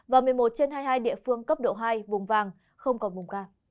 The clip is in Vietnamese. và một mươi một trên hai mươi hai địa phương cấp độ hai vùng vàng không còn vùng ca